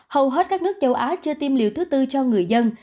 hầu hết các nước châu á chưa tiêm liều thứ tư cho người dân